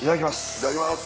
いただきます。